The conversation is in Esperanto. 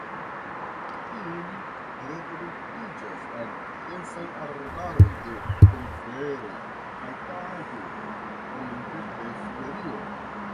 Ili reproduktiĝas en densaj arbaroj de koniferoj kaj tajgo oriente de Siberio.